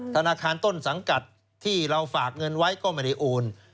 ธนาคารต้นสังกัดที่เราฝากเงินไว้ก็ไม่ได้โอน